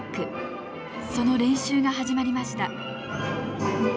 その練習が始まりました。